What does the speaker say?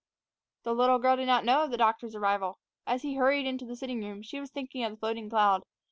The little girl did not know of the doctor's arrival. As he hurried into the sitting room, she was thinking of the floating cloud.